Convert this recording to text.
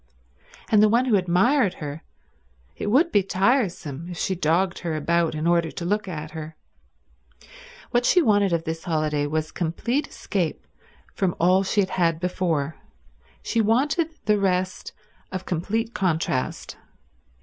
And the one who admired her— it would be tiresome if she dogged her about in order to look at her. What she wanted of this holiday was complete escape from all she had had before, she wanted the rest of complete contrast.